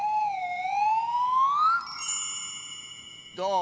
どう？